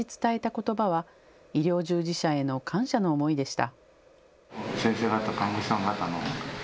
ことばは医療従事者への感謝の思いでした。